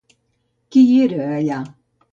Qui hi era allà?